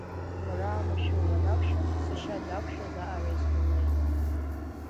Уара амашәыр уанақәшәа, сашьа дақәшәаз аҟара изгәырҩеит.